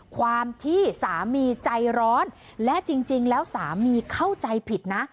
ความที่สามีใจร้อนและจริงแล้วสามีเข้าใจผิดนะ